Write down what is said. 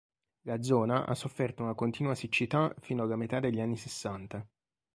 La zona ha sofferto una continua siccità fino alla metà degli anni sessanta.